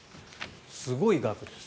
すごい額です。